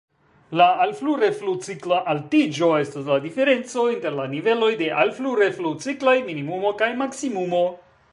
La "alflu-reflu-cikla altiĝo" estas la diferenco inter la niveloj de alflu-reflu-ciklaj minimumo kaj maksimumo.